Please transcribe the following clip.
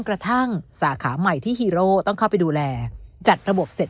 กระทั่งสาขาใหม่ที่ฮีโร่ต้องเข้าไปดูแลจัดระบบเสร็จ